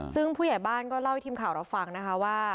ซึ่งผู้ใหญ่บ้านก็เล่าให้ทีมข่าวเราฟังนะคะว่า